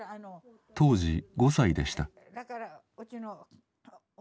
当時５歳でした。